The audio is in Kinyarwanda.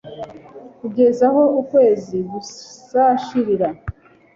kugeza aho ukwezi kuzashirira